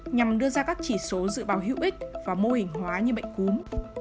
nhằm đưa ra các chỉ số dự báo hữu ích và mô hình hóa như bệnh cúm